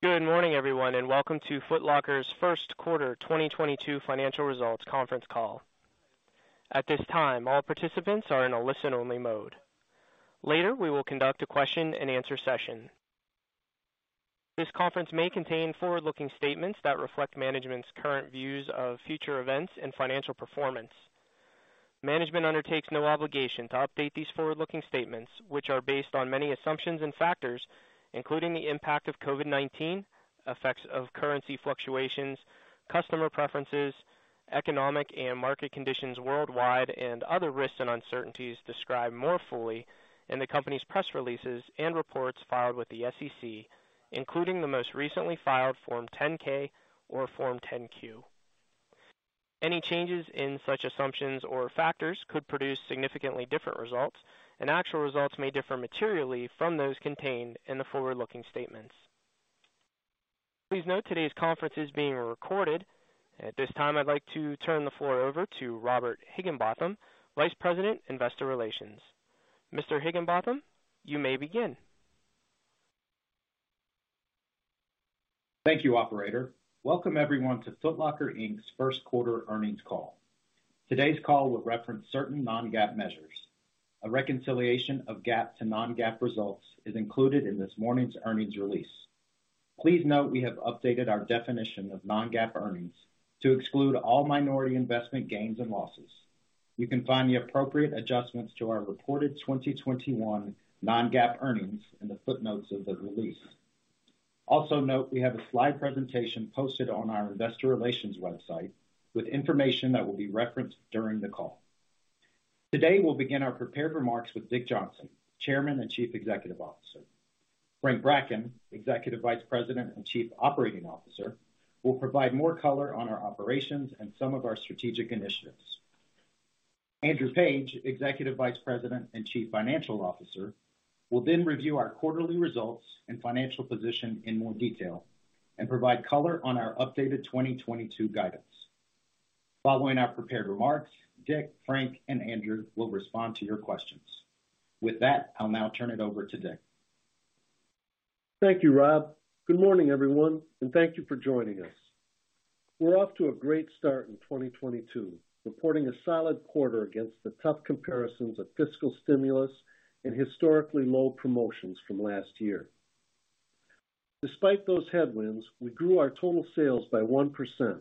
Good morning, everyone, and welcome to Foot Locker's First Quarter 2022 Financial Results Conference Call. At this time, all participants are in a listen-only mode. Later, we will conduct a question-and-answer session. This conference may contain forward-looking statements that reflect management's current views of future events and financial performance. Management undertakes no obligation to update these forward-looking statements, which are based on many assumptions and factors, including the impact of COVID-19, effects of currency fluctuations, customer preferences, economic and market conditions worldwide, and other risks and uncertainties described more fully in the company's press releases and reports filed with the SEC, including the most recently filed Form 10-K or Form 10-Q. Any changes in such assumptions or factors could produce significantly different results, and actual results may differ materially from those contained in the forward-looking statements. Please note today's conference is being recorded. At this time, I'd like to turn the floor over to Robert Higginbotham, Vice President, Investor Relations. Mr. Higginbotham, you may begin. Thank you, operator. Welcome, everyone, to Foot Locker, Inc.'s first quarter earnings call. Today's call will reference certain non-GAAP measures. A reconciliation of GAAP to non-GAAP results is included in this morning's earnings release. Please note we have updated our definition of non-GAAP earnings to exclude all minority investment gains and losses. You can find the appropriate adjustments to our reported 2021 non-GAAP earnings in the footnotes of the release. Also note we have a slide presentation posted on our investor relations website with information that will be referenced during the call. Today, we'll begin our prepared remarks with Richard Johnson, Chairman and Chief Executive Officer. Frank Bracken, Executive Vice President and Chief Operating Officer, will provide more color on our operations and some of our strategic initiatives. Andrew Page, Executive Vice President and Chief Financial Officer, will then review our quarterly results and financial position in more detail and provide color on our updated 2022 guidance. Following our prepared remarks, Dick, Frank, and Andrew will respond to your questions. With that, I'll now turn it over to Dick. Thank you, Rob. Good morning, everyone, and thank you for joining us. We're off to a great start in 2022, reporting a solid quarter against the tough comparisons of fiscal stimulus and historically low promotions from last year. Despite those headwinds, we grew our total sales by 1%,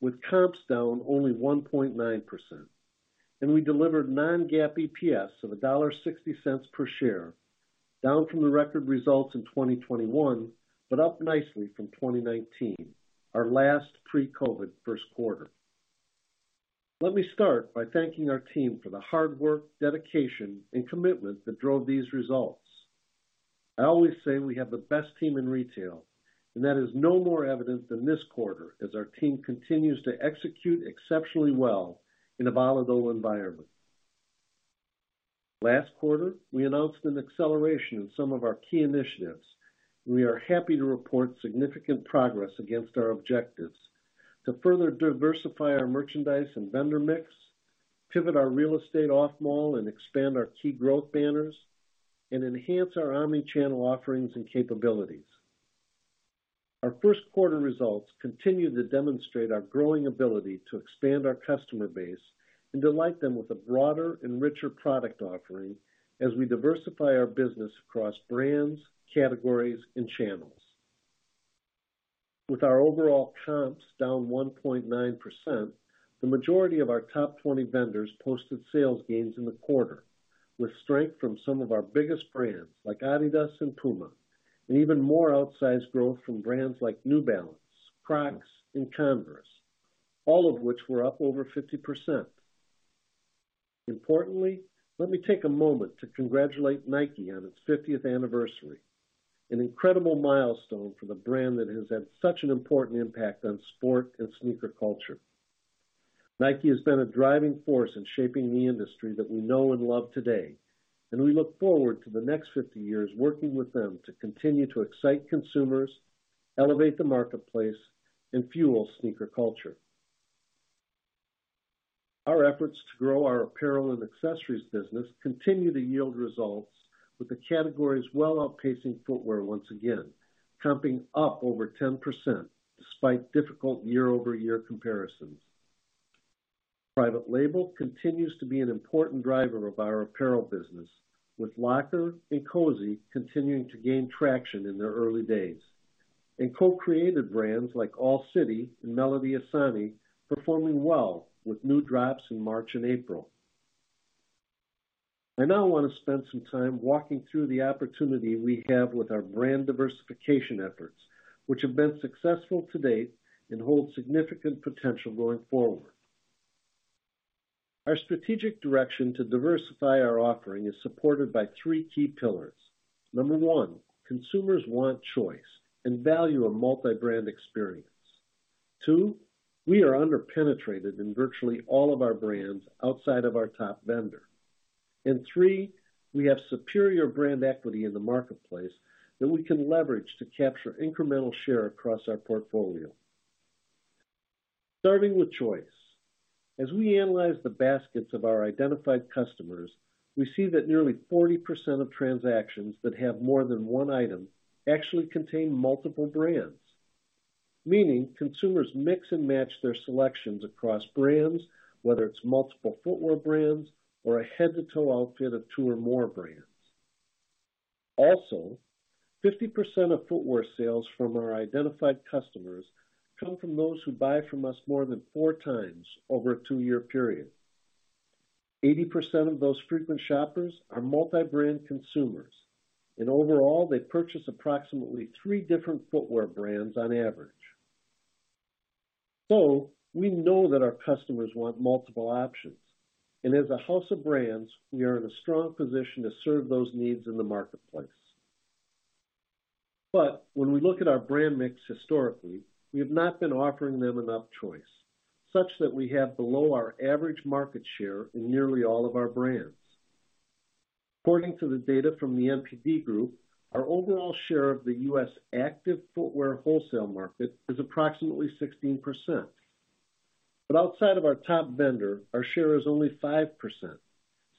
with comps down only 1.9%, and we delivered non-GAAP EPS of $1.60 per share, down from the record results in 2021, but up nicely from 2019, our last pre-COVID first quarter. Let me start by thanking our team for the hard work, dedication, and commitment that drove these results. I always say we have the best team in retail, and that is no more evident than this quarter as our team continues to execute exceptionally well in a volatile environment. Last quarter, we announced an acceleration in some of our key initiatives, and we are happy to report significant progress against our objectives to further diversify our merchandise and vendor mix, pivot our real estate off-mall and expand our key growth banners, and enhance our omni-channel offerings and capabilities. Our first quarter results continue to demonstrate our growing ability to expand our customer base and delight them with a broader and richer product offering as we diversify our business across brands, categories, and channels. With our overall comps down 1.9%, the majority of our top 20 vendors posted sales gains in the quarter, with strength from some of our biggest brands like Adidas and Puma, and even more outsized growth from brands like New Balance, Crocs, and Converse, all of which were up over 50%. Importantly, let me take a moment to congratulate Nike on its 50th anniversary, an incredible milestone for the brand that has had such an important impact on sport and sneaker culture. Nike has been a driving force in shaping the industry that we know and love today, and we look forward to the next 50 years working with them to continue to excite consumers, elevate the marketplace, and fuel sneaker culture. Our efforts to grow our apparel and accessories business continue to yield results with the categories well outpacing footwear once again, comping up over 10% despite difficult year-over-year comparisons. Private label continues to be an important driver of our apparel business, with Lckr and Cozi continuing to gain traction in their early days, and co-created brands like All City and Melody Ehsani performing well with new drops in March and April. I now want to spend some time walking through the opportunity we have with our brand diversification efforts, which have been successful to date and hold significant potential going forward. Our strategic direction to diversify our offering is supported by three key pillars. Number one, consumers want choice and value a multi-brand experience. Two, we are under-penetrated in virtually all of our brands outside of our top vendor. Three, we have superior brand equity in the marketplace that we can leverage to capture incremental share across our portfolio. Starting with choice. As we analyze the baskets of our identified customers, we see that nearly 40% of transactions that have more than one item actually contain multiple brands, meaning consumers mix and match their selections across brands, whether it's multiple footwear brands or a head-to-toe outfit of two or more brands. Fifty percent of footwear sales from our identified customers come from those who buy from us more than four times over a two-year period. 80% of those frequent shoppers are multi-brand consumers, and overall, they purchase approximately three different footwear brands on average. We know that our customers want multiple options, and as a house of brands, we are in a strong position to serve those needs in the marketplace. When we look at our brand mix historically, we have not been offering them enough choice such that we have below our average market share in nearly all of our brands. According to the data from the NPD Group, our overall share of the U.S. active footwear wholesale market is approximately 16%. Outside of our top vendor, our share is only 5%,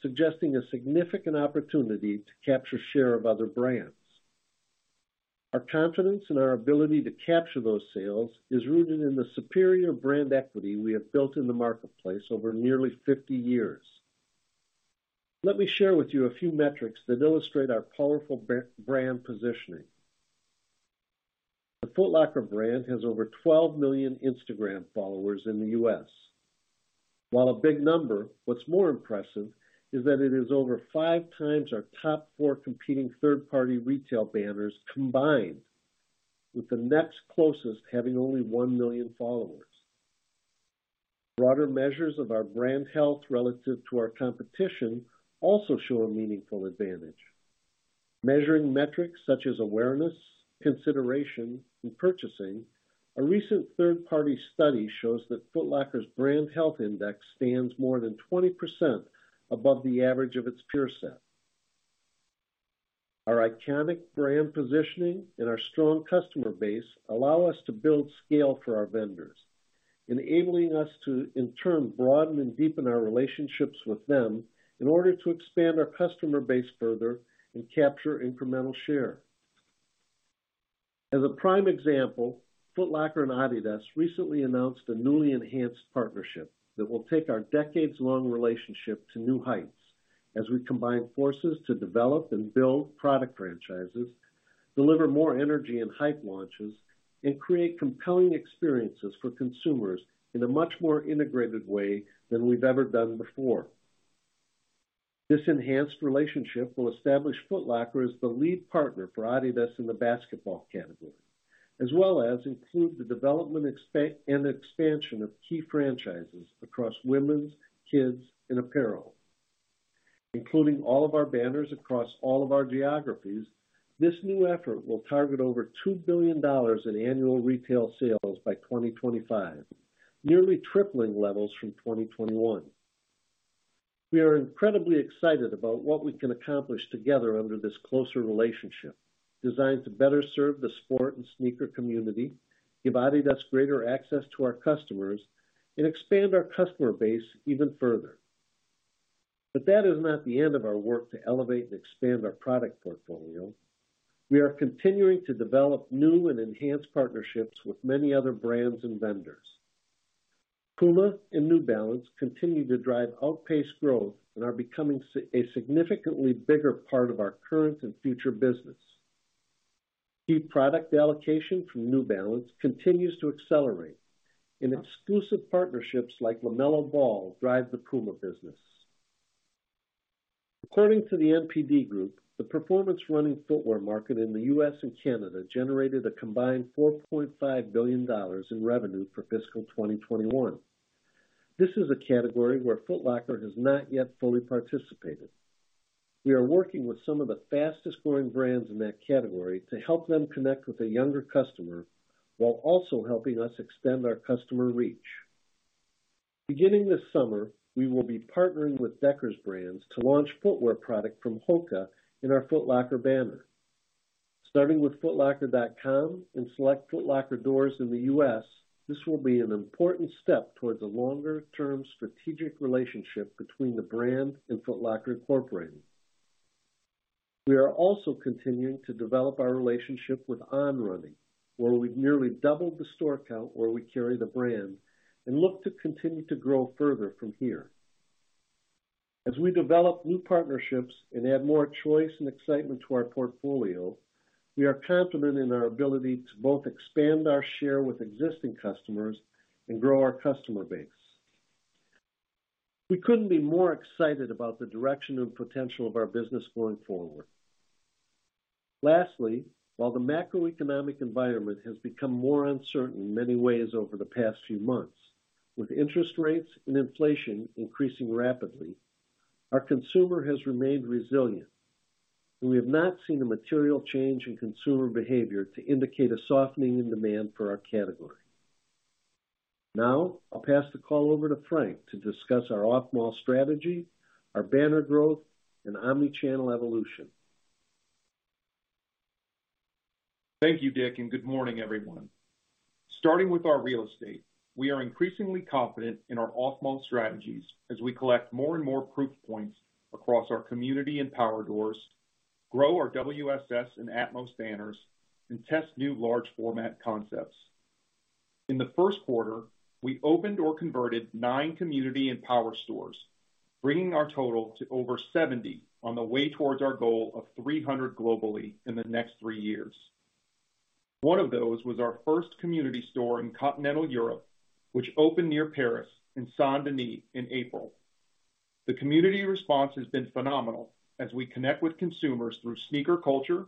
suggesting a significant opportunity to capture share of other brands. Our confidence in our ability to capture those sales is rooted in the superior brand equity we have built in the marketplace over nearly 50 years. Let me share with you a few metrics that illustrate our powerful brand positioning. The Foot Locker brand has over 12 million Instagram followers in the U.S. While a big number, what's more impressive is that it is over five times our top four competing third-party retail banners combined, with the next closest having only one million followers. Broader measures of our brand health relative to our competition also show a meaningful advantage. Measuring metrics such as awareness, consideration, and purchasing, a recent third-party study shows that Foot Locker's brand health index stands more than 20% above the average of its peer set. Our iconic brand positioning and our strong customer base allow us to build scale for our vendors, enabling us to, in turn, broaden and deepen our relationships with them in order to expand our customer base further and capture incremental share. As a prime example, Foot Locker and Adidas recently announced a newly enhanced partnership that will take our decades-long relationship to new heights as we combine forces to develop and build product franchises, deliver more energy and hype launches, and create compelling experiences for consumers in a much more integrated way than we've ever done before. This enhanced relationship will establish Foot Locker as the lead partner for Adidas in the basketball category, as well as include the development and expansion of key franchises across women's, kids and apparel. Including all of our banners across all of our geographies, this new effort will target over $2 billion in annual retail sales by 2025, nearly tripling levels from 2021. We are incredibly excited about what we can accomplish together under this closer relationship designed to better serve the sport and sneaker community, give Adidas greater access to our customers, and expand our customer base even further. That is not the end of our work to elevate and expand our product portfolio. We are continuing to develop new and enhanced partnerships with many other brands and vendors. Puma and New Balance continue to drive outpaced growth and are becoming a significantly bigger part of our current and future business. Key product allocation from New Balance continues to accelerate and exclusive partnerships like LaMelo Ball drive the Puma business. According to the NPD Group, the performance running footwear market in the U.S. and Canada generated a combined $4.5 billion in revenue for fiscal 2021. This is a category where Foot Locker has not yet fully participated. We are working with some of the fastest-growing brands in that category to help them connect with a younger customer while also helping us extend our customer reach. Beginning this summer, we will be partnering with Deckers Brands to launch footwear product from HOKA in our Foot Locker banner. Starting with footlocker.com and select Foot Locker doors in the U.S., this will be an important step towards a longer-term strategic relationship between the brand and Foot Locker, Inc. We are also continuing to develop our relationship with On Running, where we've nearly doubled the store count where we carry the brand and look to continue to grow further from here. As we develop new partnerships and add more choice and excitement to our portfolio, we are confident in our ability to both expand our share with existing customers and grow our customer base. We couldn't be more excited about the direction and potential of our business going forward. Lastly, while the macroeconomic environment has become more uncertain in many ways over the past few months, with interest rates and inflation increasing rapidly, our consumer has remained resilient, and we have not seen a material change in consumer behavior to indicate a softening in demand for our category. Now, I'll pass the call over to Frank to discuss our off-mall strategy, our banner growth and omnichannel evolution. Thank you, Dick, and good morning, everyone. Starting with our real estate, we are increasingly confident in our off-mall strategies as we collect more and more proof points across our community and power doors, grow our WSS and Atmos banners, and test new large format concepts. In the first quarter, we opened or converted 9 community and power stores, bringing our total to over 70 on the way towards our goal of 300 globally in the next three years. One of those was our first community store in continental Europe, which opened near Paris in Saint-Denis in April. The community response has been phenomenal as we connect with consumers through sneaker culture,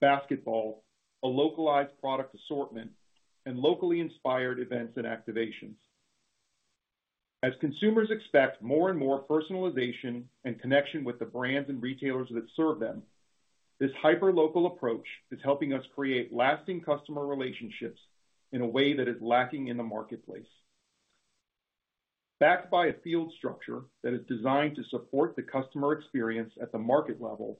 basketball, a localized product assortment, and locally inspired events and activations. As consumers expect more and more personalization and connection with the brands and retailers that serve them, this hyperlocal approach is helping us create lasting customer relationships in a way that is lacking in the marketplace. Backed by a field structure that is designed to support the customer experience at the market level,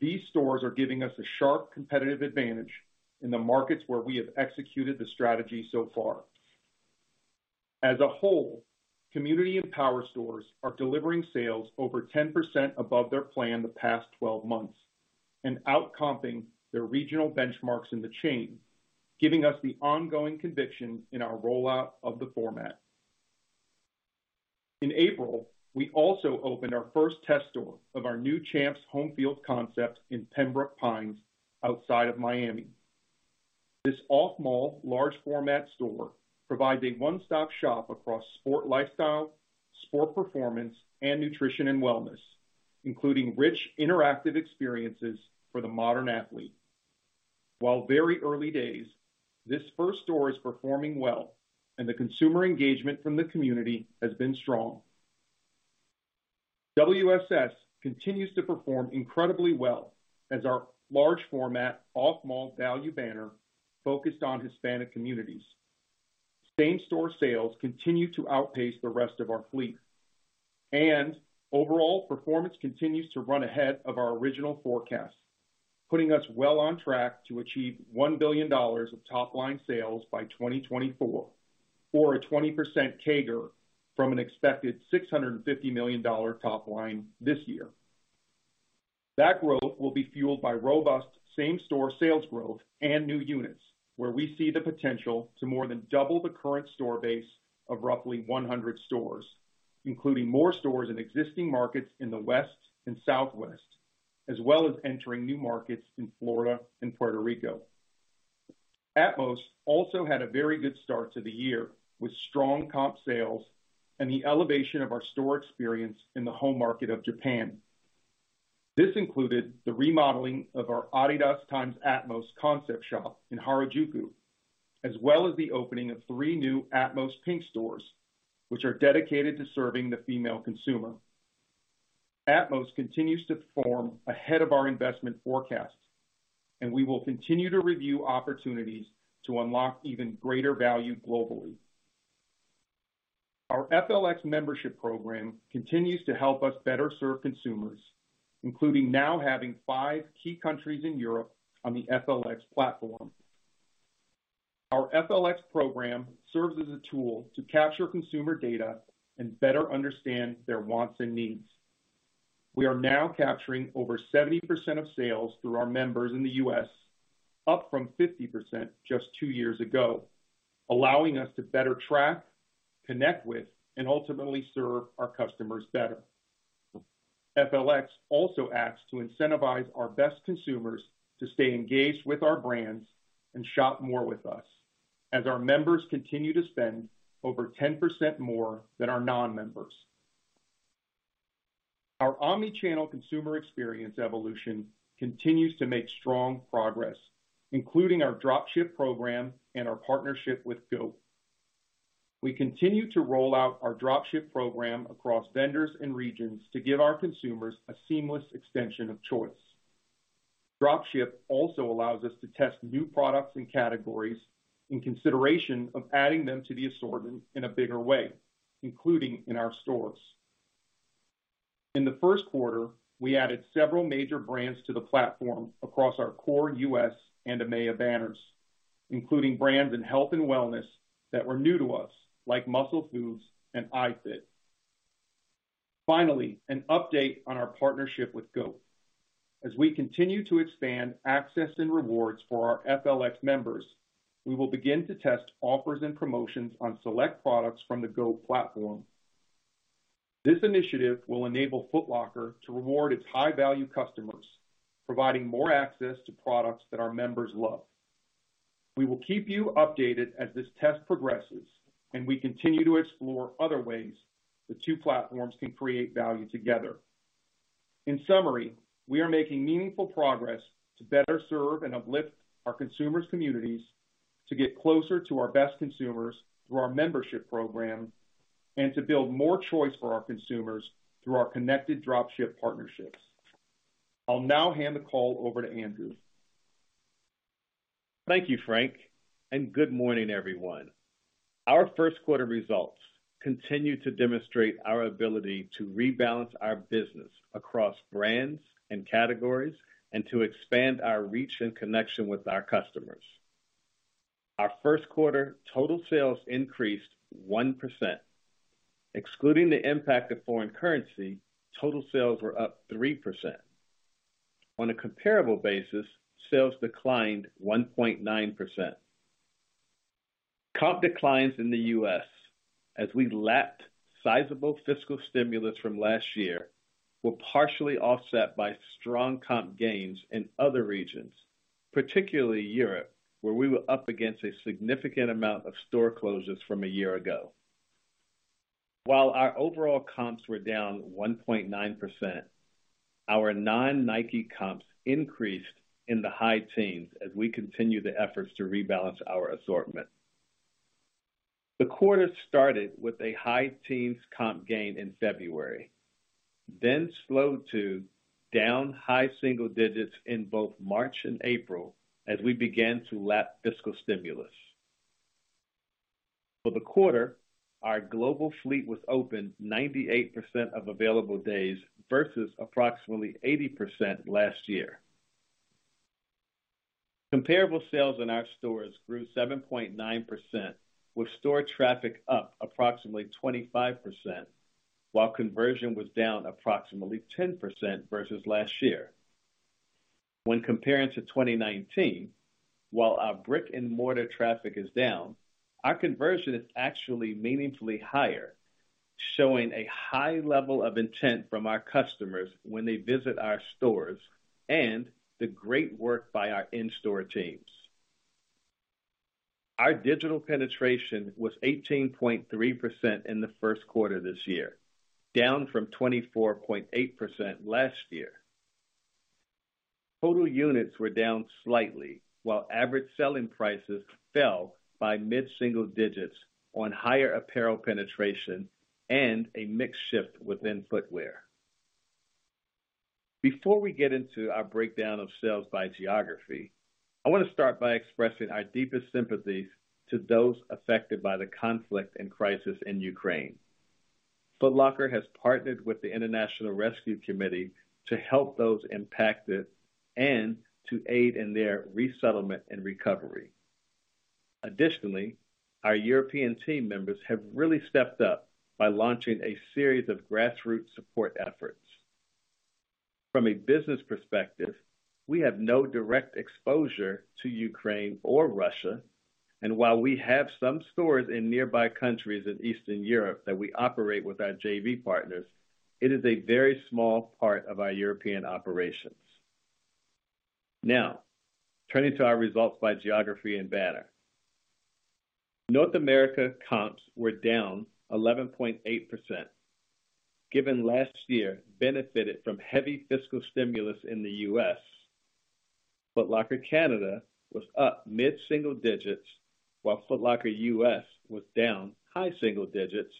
these stores are giving us a sharp competitive advantage in the markets where we have executed the strategy so far. As a whole, community and power stores are delivering sales over 10% above their plan the past 12 months and out-comping their regional benchmarks in the chain, giving us the ongoing conviction in our rollout of the format. In April, we also opened our first test store of our new Champs Sports Homefield concept in Pembroke Pines outside of Miami. This off-mall large format store provides a one-stop shop across sport lifestyle, sport performance, and nutrition and wellness, including rich interactive experiences for the modern athlete. While very early days, this first store is performing well, and the consumer engagement from the community has been strong. WSS continues to perform incredibly well as our large format off-mall value banner focused on Hispanic communities. Same-store sales continue to outpace the rest of our fleet. Overall performance continues to run ahead of our original forecast, putting us well on track to achieve $1 billion of top-line sales by 2024 or a 20% CAGR from an expected $650 million top line this year. That growth will be fueled by robust same-store sales growth and new units, where we see the potential to more than double the current store base of roughly 100 stores, including more stores in existing markets in the West and Southwest, as well as entering new markets in Florida and Puerto Rico. Atmos also had a very good start to the year, with strong comp sales and the elevation of our store experience in the home market of Japan. This included the remodeling of our Adidas x Atmos concept shop in Harajuku, as well as the opening of three new Atmos Pink stores, which are dedicated to serving the female consumer. Atmos continues to perform ahead of our investment forecast, and we will continue to review opportunities to unlock even greater value globally. Our FLX membership program continues to help us better serve consumers, including now having five key countries in Europe on the FLX platform. Our FLX program serves as a tool to capture consumer data and better understand their wants and needs. We are now capturing over 70% of sales through our members in the U.S., up from 50% just two years ago, allowing us to better track, connect with, and ultimately serve our customers better. FLX also acts to incentivize our best consumers to stay engaged with our brands and shop more with us, as our members continue to spend over 10% more than our non-members. Our omni-channel consumer experience evolution continues to make strong progress, including our drop ship program and our partnership with GOAT. We continue to roll out our drop ship program across vendors and regions to give our consumers a seamless extension of choice. Drop ship also allows us to test new products and categories in consideration of adding them to the assortment in a bigger way, including in our stores. In the first quarter, we added several major brands to the platform across our core U.S. and EMEA banners, including brands in health and wellness that were new to us, like MuscleFood and iFIT. Finally, an update on our partnership with GOAT. As we continue to expand access and rewards for our FLX members, we will begin to test offers and promotions on select products from the GOAT platform. This initiative will enable Foot Locker to reward its high-value customers, providing more access to products that our members love. We will keep you updated as this test progresses, and we continue to explore other ways the two platforms can create value together. In summary, we are making meaningful progress to better serve and uplift our consumers' communities, to get closer to our best consumers through our membership program, and to build more choice for our consumers through our connected drop ship partnerships. I'll now hand the call over to Andrew. Thank you, Frank, and good morning, everyone. Our first quarter results continue to demonstrate our ability to rebalance our business across brands and categories and to expand our reach and connection with our customers. Our first quarter total sales increased 1%. Excluding the impact of foreign currency, total sales were up 3%. On a comparable basis, sales declined 1.9%. Comp declines in the U.S. as we lapped sizable fiscal stimulus from last year were partially offset by strong comp gains in other regions, particularly Europe, where we were up against a significant amount of store closures from a year ago. While our overall comps were down 1.9%, our non-Nike comps increased in the high teens as we continue the efforts to rebalance our assortment. The quarter started with a high-teens comp gain in February, then slowed to down high-single-digits in both March and April as we began to lap fiscal stimulus. For the quarter, our global fleet was open 98% of available days versus approximately 80% last year. Comparable sales in our stores grew 7.9%, with store traffic up approximately 25% while conversion was down approximately 10% versus last year. When comparing to 2019, while our brick-and-mortar traffic is down, our conversion is actually meaningfully higher, showing a high level of intent from our customers when they visit our stores and the great work by our in-store teams. Our digital penetration was 18.3% in the first quarter this year, down from 24.8% last year. Total units were down slightly while average selling prices fell by mid-single digits on higher apparel penetration and a mix shift within footwear. Before we get into our breakdown of sales by geography, I want to start by expressing our deepest sympathies to those affected by the conflict and crisis in Ukraine. Foot Locker has partnered with the International Rescue Committee to help those impacted and to aid in their resettlement and recovery. Additionally, our European team members have really stepped up by launching a series of grassroots support efforts. From a business perspective, we have no direct exposure to Ukraine or Russia, and while we have some stores in nearby countries in Eastern Europe that we operate with our JV partners, it is a very small part of our European operations. Now, turning to our results by geography and banner. North America comps were down 11.8%, given last year benefited from heavy fiscal stimulus in the U.S. Foot Locker Canada was up mid-single digits, while Foot Locker U.S. was down high single digits,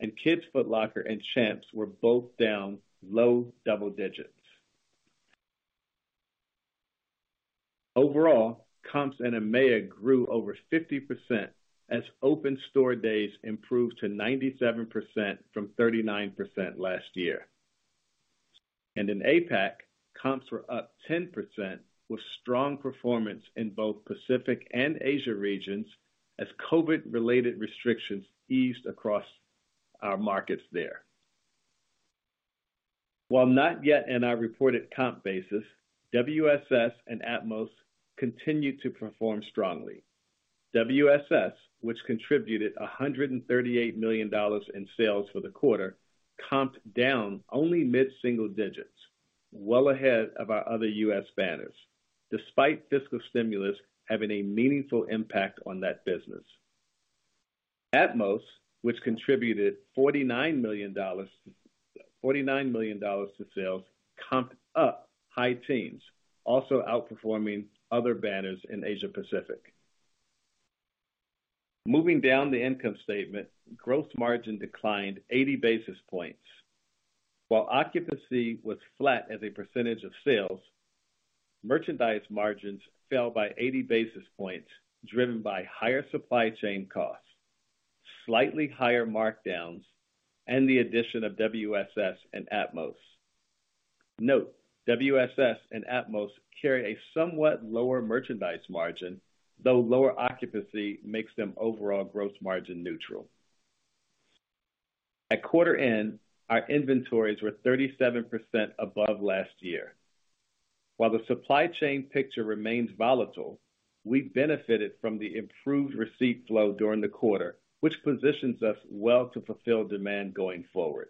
and Kids Foot Locker and Champs were both down low double digits. Overall, comps in EMEA grew over 50% as open store days improved to 97% from 39% last year. In APAC, comps were up 10% with strong performance in both Pacific and Asia regions as COVID-related restrictions eased across our markets there. While not yet in our reported comp basis, WSS and Atmos continue to perform strongly. WSS, which contributed $138 million in sales for the quarter, comped down only mid-single digits, well ahead of our other U.S. banners, despite fiscal stimulus having a meaningful impact on that business. Atmos, which contributed $49 million to sales, comped up high teens, also outperforming other banners in Asia-Pacific. Moving down the income statement, gross margin declined 80 basis points. While occupancy was flat as a percentage of sales, merchandise margins fell by 80 basis points, driven by higher supply chain costs, slightly higher markdowns, and the addition of WSS and Atmos. Note, WSS and Atmos carry a somewhat lower merchandise margin, though lower occupancy makes them overall gross margin neutral. At quarter end, our inventories were 37% above last year. While the supply chain picture remains volatile, we benefited from the improved receipt flow during the quarter, which positions us well to fulfill demand going forward.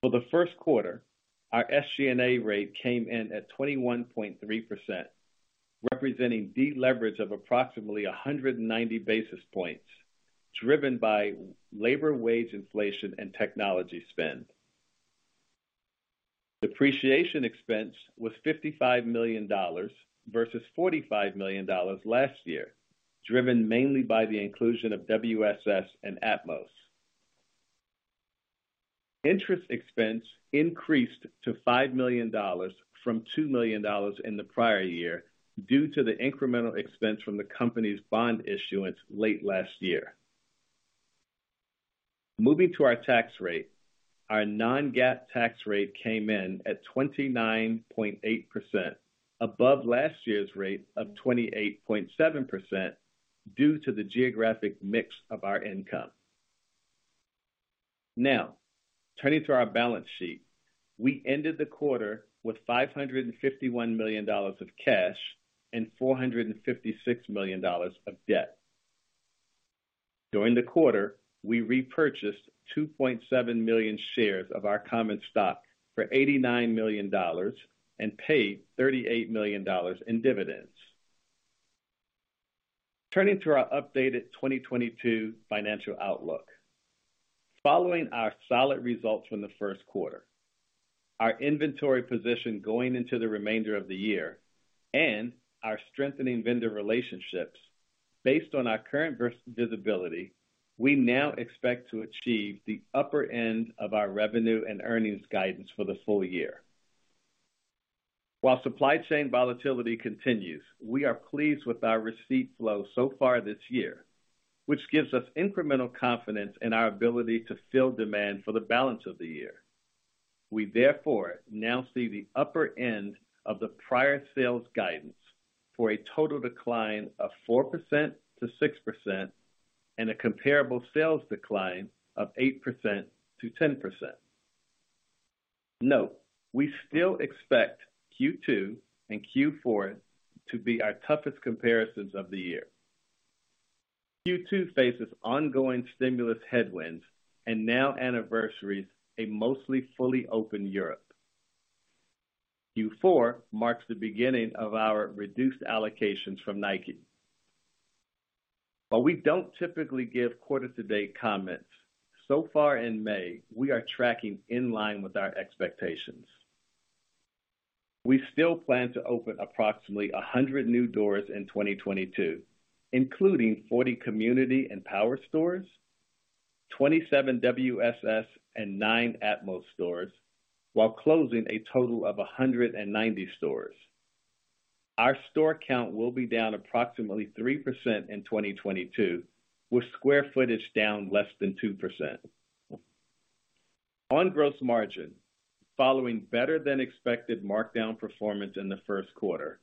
For the first quarter, our SG&A rate came in at 21.3%, representing deleverage of approximately 190 basis points, driven by labor wage inflation and technology spend. Depreciation expense was $55 million versus $45 million last year, driven mainly by the inclusion of WSS and Atmos. Interest expense increased to $5 million from $2 million in the prior year due to the incremental expense from the company's bond issuance late last year. Moving to our tax rate. Our non-GAAP tax rate came in at 29.8%, above last year's rate of 28.7% due to the geographic mix of our income. Now, turning to our balance sheet. We ended the quarter with $551 million of cash and $456 million of debt. During the quarter, we repurchased 2.7 million shares of our common stock for $89 million and paid $38 million in dividends. Turning to our updated 2022 financial outlook. Following our solid results from the first quarter, our inventory position going into the remainder of the year, and our strengthening vendor relationships, based on our current visibility, we now expect to achieve the upper end of our revenue and earnings guidance for the full year. While supply chain volatility continues, we are pleased with our receipt flow so far this year, which gives us incremental confidence in our ability to fill demand for the balance of the year. We therefore now see the upper end of the prior sales guidance for a total decline of 4%-6% and a comparable sales decline of 8%-10%. Note, we still expect Q2 and Q4 to be our toughest comparisons of the year. Q2 faces ongoing stimulus headwinds and now anniversaries a mostly fully open Europe. Q4 marks the beginning of our reduced allocations from Nike. While we don't typically give quarter to date comments, so far in May, we are tracking in line with our expectations. We still plan to open approximately 100 new doors in 2022, including 40 community and power stores, 27 WSS, and 9 Atmos stores while closing a total of 190 stores. Our store count will be down approximately 3% in 2022, with square footage down less than 2%. On gross margin, following better than expected markdown performance in the first quarter,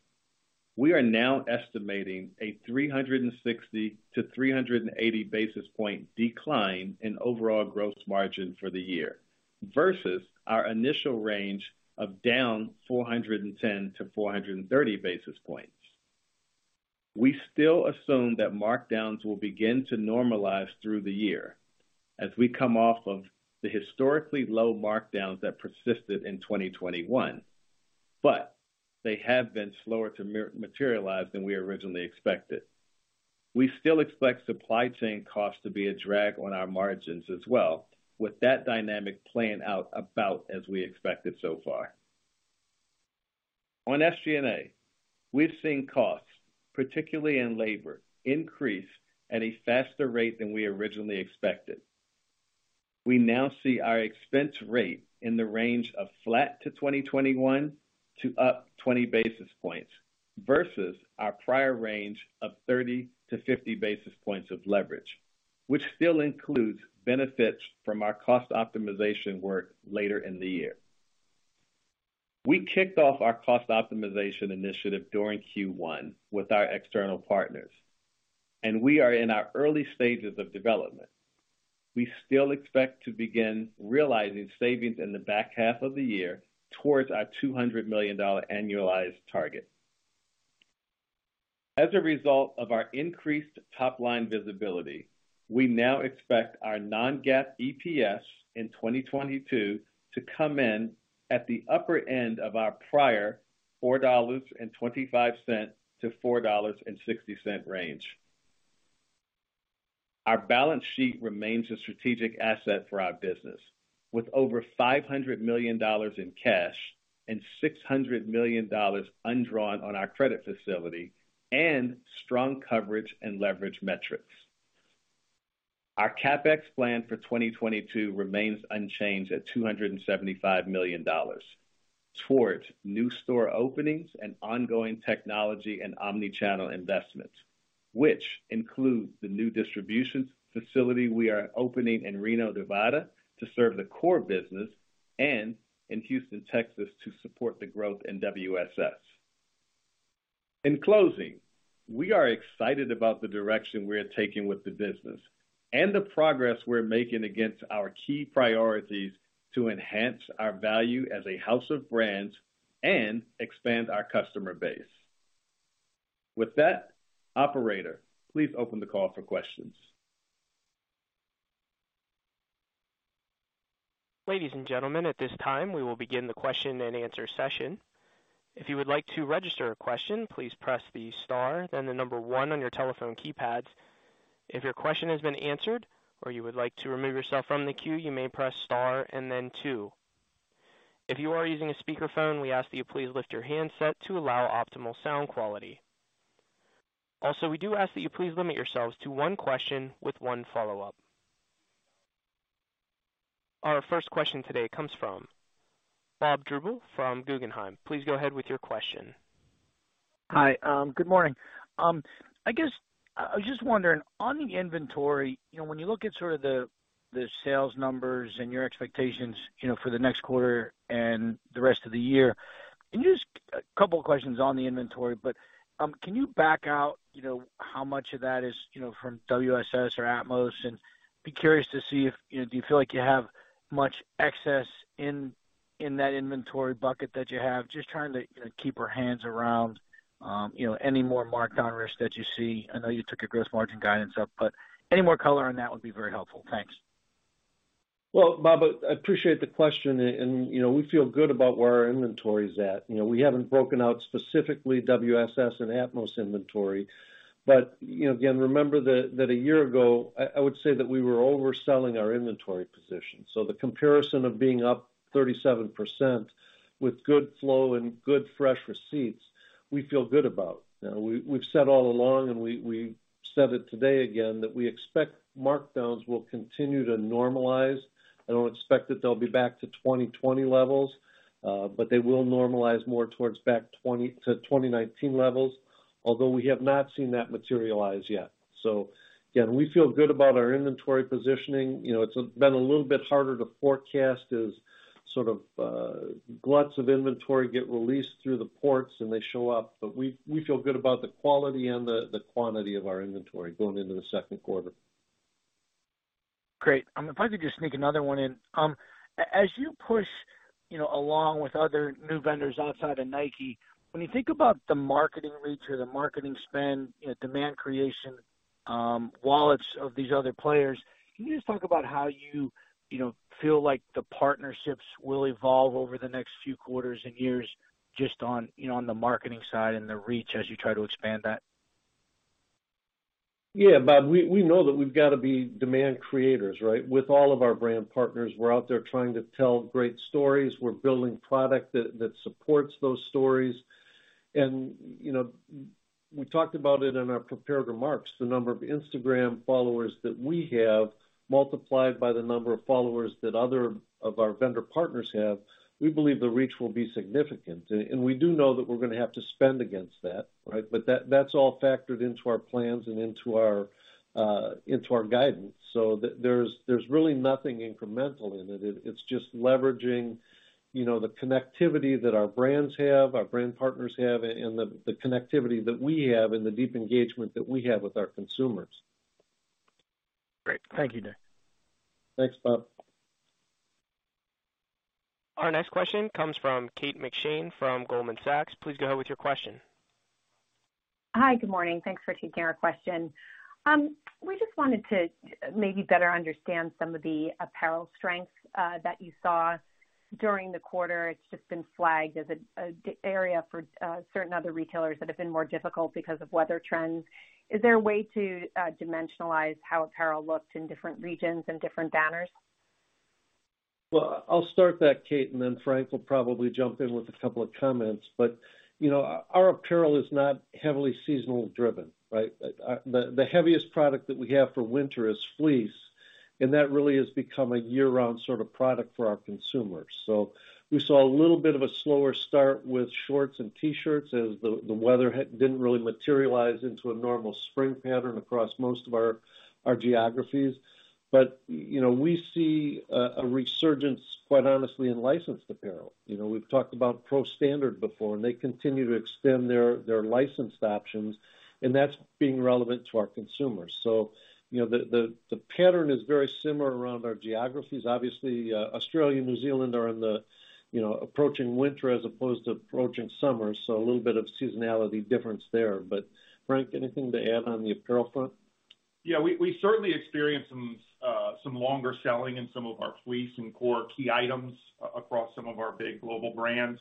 we are now estimating a 360-380 basis point decline in overall gross margin for the year versus our initial range of down 410-430 basis points. We still assume that markdowns will begin to normalize through the year as we come off of the historically low markdowns that persisted in 2021, but they have been slower to materialize than we originally expected. We still expect supply chain costs to be a drag on our margins as well, with that dynamic playing out about as we expected so far. On SG&A, we've seen costs, particularly in labor, increase at a faster rate than we originally expected. We now see our expense rate in the range of flat to down 21 to up 20 basis points versus our prior range of 30-50 basis points of leverage, which still includes benefits from our cost optimization work later in the year. We kicked off our cost optimization initiative during Q1 with our external partners, and we are in our early stages of development. We still expect to begin realizing savings in the back half of the year towards our $200 million annualized target. As a result of our increased top-line visibility, we now expect our non-GAAP EPS in 2022 to come in at the upper end of our prior $4.25-$4.60 range. Our balance sheet remains a strategic asset for our business, with over $500 million in cash and $600 million undrawn on our credit facility and strong coverage and leverage metrics. Our CapEx plan for 2022 remains unchanged at $275 million towards new store openings and ongoing technology and omni-channel investments, which includes the new distribution facility we are opening in Reno, Nevada, to serve the core business and in Houston, Texas, to support the growth in WSS. In closing, we are excited about the direction we're taking with the business and the progress we're making against our key priorities to enhance our value as a house of brands and expand our customer base. With that, operator, please open the call for questions. Ladies and gentlemen, at this time, we will begin the question and answer session. If you would like to register a question, please press the star then the number one on your telephone keypads. If your question has been answered or you would like to remove yourself from the queue, you may press star and then two. If you are using a speakerphone, we ask that you please lift your handset to allow optimal sound quality. Also, we do ask that you please limit yourselves to one question with one follow-up. Our first question today comes from Bob Drbul from Guggenheim. Please go ahead with your question. Hi. Good morning. I guess I was just wondering, on the inventory, you know, when you look at sort of the sales numbers and your expectations, you know, for the next quarter and the rest of the year. A couple of questions on the inventory, but can you back out, you know, how much of that is, you know, from WSS or Atmos? I'd be curious to see if, you know, do you feel like you have much excess in that inventory bucket that you have? Just trying to, you know, get our arms around, you know, any more markdown risk that you see. I know you took your gross margin guidance up, but any more color on that would be very helpful. Thanks. Well, Bob, I appreciate the question and you know, we feel good about where our inventory is at. You know, we haven't broken out specifically WSS and Atmos inventory. You know, again, remember that a year ago, I would say that we were overselling our inventory position. The comparison of being up 37% with good flow and good fresh receipts, we feel good about. You know, we've said all along, and we said it today again, that we expect markdowns will continue to normalize. I don't expect that they'll be back to 2020 levels, but they will normalize more towards back 2020-2019 levels, although we have not seen that materialize yet. Again, we feel good about our inventory positioning. You know, it's been a little bit harder to forecast as sort of gluts of inventory get released through the ports and they show up. We feel good about the quality and the quantity of our inventory going into the second quarter. Great. If I could just sneak another one in. As you push, you know, along with other new vendors outside of Nike, when you think about the marketing reach or the marketing spend, you know, demand creation, wallets of these other players, can you just talk about how you know, feel like the partnerships will evolve over the next few quarters and years just on, you know, on the marketing side and the reach as you try to expand that? Yeah, Bob, we know that we've got to be demand creators, right? With all of our brand partners, we're out there trying to tell great stories. We're building product that supports those stories. You know, we talked about it in our prepared remarks, the number of Instagram followers that we have multiplied by the number of followers that other of our vendor partners have, we believe the reach will be significant. We do know that we're gonna have to spend against that, right? That's all factored into our plans and into our guidance. There's really nothing incremental in it. It's just leveraging, you know, the connectivity that our brands have, our brand partners have, and the connectivity that we have and the deep engagement that we have with our consumers. Great. Thank you, Dick. Thanks, Bob. Our next question comes from Kate McShane from Goldman Sachs. Please go ahead with your question. Hi, good morning. Thanks for taking our question. We just wanted to maybe better understand some of the apparel strengths that you saw during the quarter. It's just been flagged as the area for certain other retailers that have been more difficult because of weather trends. Is there a way to dimensionalize how apparel looks in different regions and different banners? Well, I'll start that, Kate, and then Frank will probably jump in with a couple of comments. Our apparel is not heavily seasonally driven, right? The heaviest product that we have for winter is fleece, and that really has become a year-round sort of product for our consumers. We saw a little bit of a slower start with shorts and T-shirts as the weather didn't really materialize into a normal spring pattern across most of our geographies. We see a resurgence, quite honestly, in licensed apparel. You know, we've talked about Pro Standard before, and they continue to extend their licensed options, and that's being relevant to our consumers. The pattern is very similar around our geographies. Obviously, Australia, New Zealand are in the, you know, approaching winter as opposed to approaching summer. A little bit of seasonality difference there. Frank, anything to add on the apparel front? Yeah, we certainly experienced some longer selling in some of our fleece and core key items across some of our big global brands.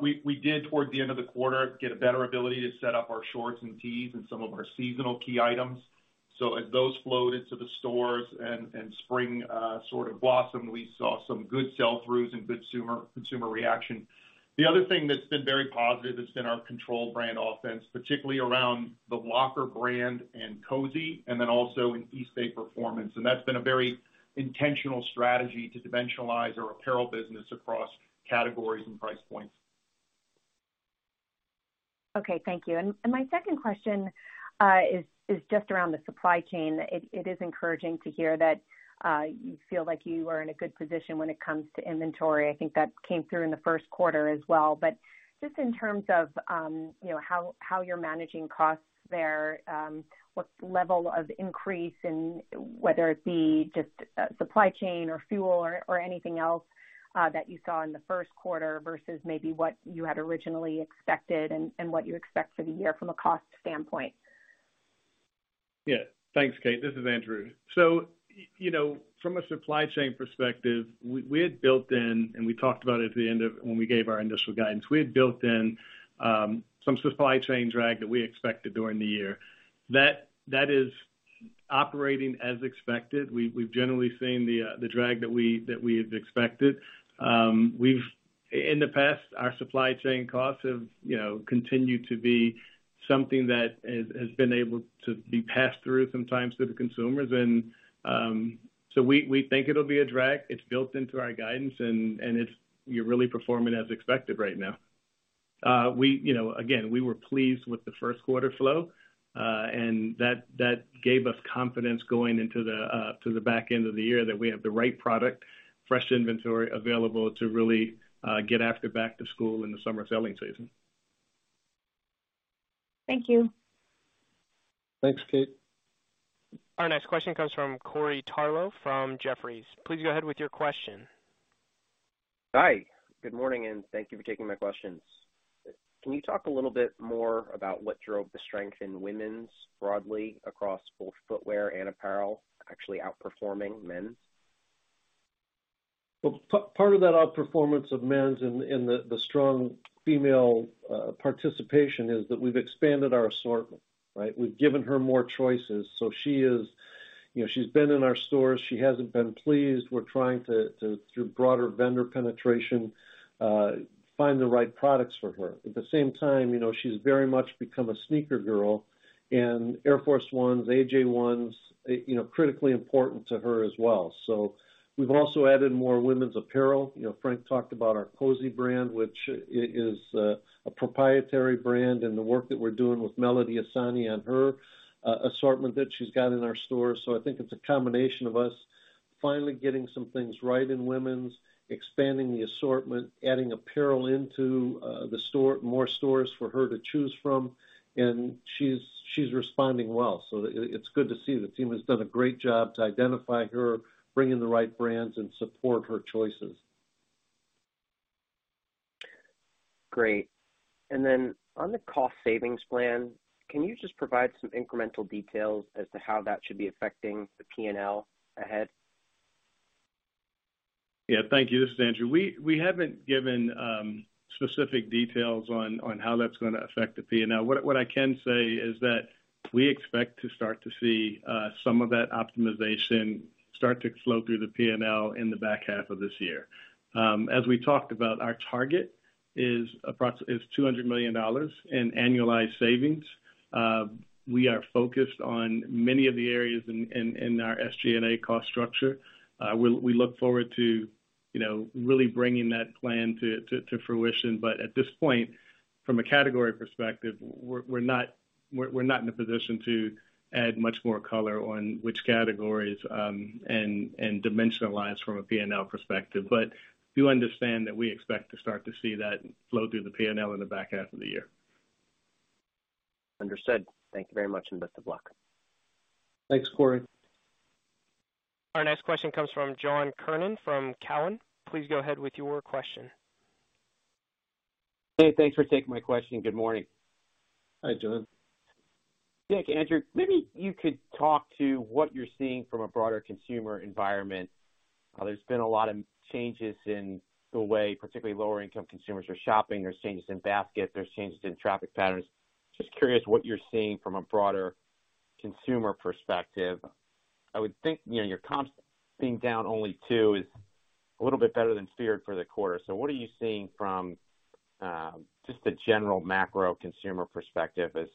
We did, toward the end of the quarter, get a better ability to set up our shorts and tees and some of our seasonal key items. As those flowed into the stores and spring sort of blossomed, we saw some good sell-throughs and good consumer reaction. The other thing that's been very positive has been our control brand offense, particularly around the Lckr brand and Cozi, and then also in Eastbay Performance. That's been a very intentional strategy to dimensionalize our apparel business across categories and price points. Okay, thank you. My second question is just around the supply chain. It is encouraging to hear that you feel like you are in a good position when it comes to inventory. I think that came through in the first quarter as well. But just in terms of you know how you're managing costs there, what's the level of increase in whether it be just supply chain or fuel or anything else that you saw in the first quarter versus maybe what you had originally expected and what you expect for the year from a cost standpoint? Yeah. Thanks, Kate. This is Andrew. You know, from a supply chain perspective, we had built in, and we talked about it when we gave our initial guidance, we had built in some supply chain drag that we expected during the year. That is Operating as expected. We've generally seen the drag that we had expected. In the past, our supply chain costs have, you know, continued to be something that has been able to be passed through sometimes to the consumers and so we think it'll be a drag. It's built into our guidance and it's really performing as expected right now. We, you know, again, were pleased with the first quarter flow and that gave us confidence going into the back end of the year that we have the right product, fresh inventory available to really get after back to school in the summer selling season. Thank you. Thanks, Kate. Our next question comes from Corey Tarlowe from Jefferies. Please go ahead with your question. Hi, good morning, and thank you for taking my questions. Can you talk a little bit more about what drove the strength in women's broadly across both footwear and apparel, actually outperforming men's? Well, part of that outperformance of men's and the strong female participation is that we've expanded our assortment, right? We've given her more choices. She is, you know, she's been in our stores. She hasn't been pleased. We're trying to through broader vendor penetration find the right products for her. At the same time, you know, she's very much become a sneaker girl, and Air Force 1, AJ1, you know, critically important to her as well. We've also added more women's apparel. You know, Frank talked about our Cozi brand, which is a proprietary brand and the work that we're doing with Melody Ehsani on her assortment that she's got in our stores. I think it's a combination of us finally getting some things right in women's, expanding the assortment, adding apparel into the store, more stores for her to choose from, and she's responding well. It's good to see. The team has done a great job to identify her, bring in the right brands, and support her choices. Great. On the cost savings plan, can you just provide some incremental details as to how that should be affecting the P&L ahead? Yeah, thank you. This is Andrew. We haven't given specific details on how that's gonna affect the P&L. What I can say is that we expect to start to see some of that optimization start to flow through the P&L in the back half of this year. As we talked about, our target is $200 million in annualized savings. We are focused on many of the areas in our SG&A cost structure. We look forward to, you know, really bringing that plan to fruition. But at this point, from a category perspective, we're not in a position to add much more color on which categories and dimensional lines from a P&L perspective. Do understand that we expect to start to see that flow through the P&L in the back half of the year. Understood. Thank you very much, and best of luck. Thanks, Corey. Our next question comes from John Kernan from TD Cowen. Please go ahead with your question. Hey, thanks for taking my question. Good morning. Hi, John. Dick, Andrew, maybe you could talk to what you're seeing from a broader consumer environment. There's been a lot of changes in the way particularly lower income consumers are shopping. There's changes in basket, there's changes in traffic patterns. Just curious what you're seeing from a broader consumer perspective. I would think, you know, your comps being down only 2% is a little bit better than feared for the quarter. What are you seeing from, just a general macro consumer perspective as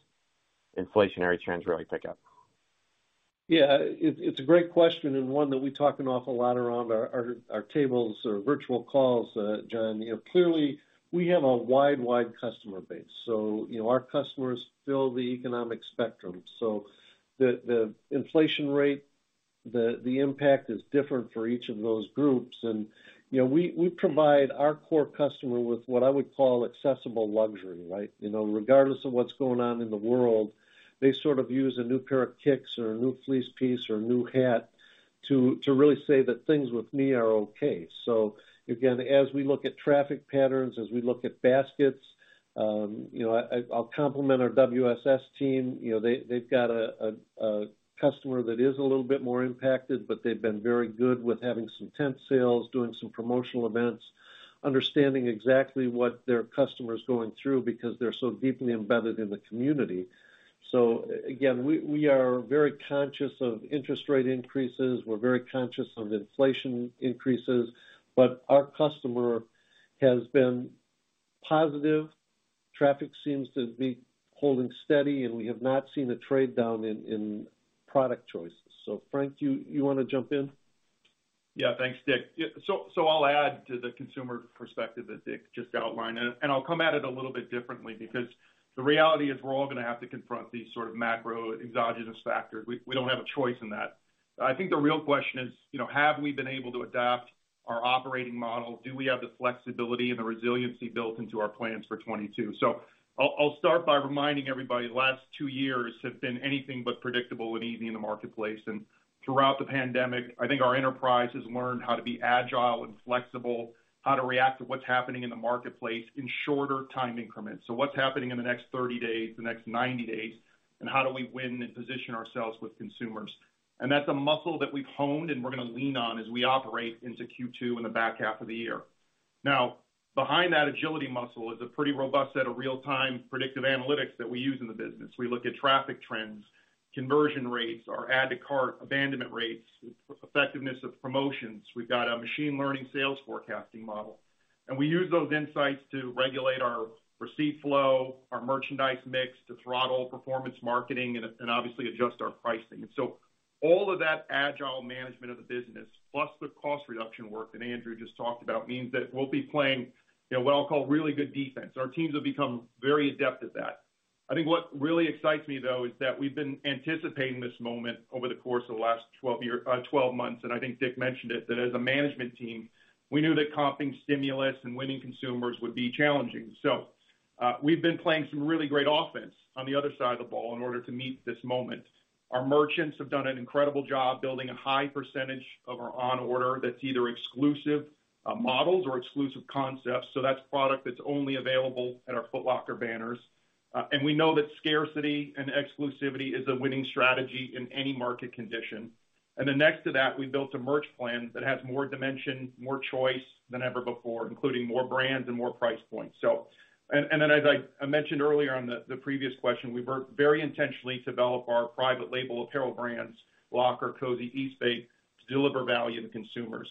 inflationary trends really pick up? Yeah, it's a great question and one that we talk an awful lot around our tables or virtual calls, John. You know, clearly we have a wide customer base. Our customers fill the economic spectrum. The inflation rate, the impact is different for each of those groups. You know, we provide our core customer with what I would call accessible luxury, right? You know, regardless of what's going on in the world, they sort of use a new pair of kicks or a new fleece piece or a new hat to really say that things are okay with me. Again, as we look at traffic patterns, as we look at baskets, you know, I'll compliment our WSS team. You know, they've got a customer that is a little bit more impacted, but they've been very good with having some tent sales, doing some promotional events, understanding exactly what their customer's going through because they're so deeply embedded in the community. We are very conscious of interest rate increases. We're very conscious of inflation increases, but our customer has been positive. Traffic seems to be holding steady, and we have not seen a trade-down in product choices. Frank, you wanna jump in? Yeah. Thanks, Dick. Yeah, so I'll add to the consumer perspective that Dick just outlined, and I'll come at it a little bit differently because the reality is we're all gonna have to confront these sort of macro exogenous factors. We don't have a choice in that. I think the real question is, you know, have we been able to adapt our operating model? Do we have the flexibility and the resiliency built into our plans for 2022? I'll start by reminding everybody, the last two years have been anything but predictable and easy in the marketplace. Throughout the pandemic, I think our enterprise has learned how to be agile and flexible, how to react to what's happening in the marketplace in shorter time increments. What's happening in the next 30 days, the next 90 days, and how do we win and position ourselves with consumers? That's a muscle that we've honed and we're gonna lean on as we operate into Q2 in the back half of the year. Now, behind that agility muscle is a pretty robust set of real-time predictive analytics that we use in the business. We look at traffic trends, conversion rates, our add to cart abandonment rates, the effectiveness of promotions. We've got a machine learning sales forecasting model. We use those insights to regulate our receipt flow, our merchandise mix, to throttle performance marketing, and obviously adjust our pricing. All of that agile management of the business plus the cost reduction work that Andrew just talked about means that we'll be playing, you know, what I'll call really good defense. Our teams have become very adept at that. I think what really excites me though is that we've been anticipating this moment over the course of the last 12 months, and I think Dick mentioned it, that as a management team, we knew that comping stimulus and winning consumers would be challenging. We've been playing some really great offense on the other side of the ball in order to meet this moment. Our merchants have done an incredible job building a high percentage of our on order that's either exclusive models or exclusive concepts, so that's product that's only available at our Foot Locker banners. We know that scarcity and exclusivity is a winning strategy in any market condition. Next to that, we built a merch plan that has more dimension, more choice than ever before, including more brands and more price points. As I mentioned earlier on the previous question, we work very intentionally to develop our private label apparel brands, Lckr, Cozi, Eastbay, to deliver value to consumers.